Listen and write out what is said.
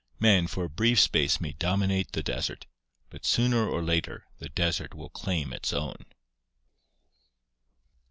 Man for a brief space may dominate the desert, but sooner or later the desert will claim its own.